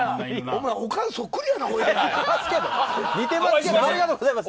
お前おかんそっくりやな。